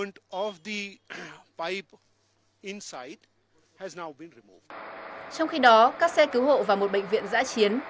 trong khi đó các xe cứu hộ và một bệnh viện giã chiến